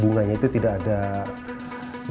bunganya itu tidak ada bunganya itu tidak ada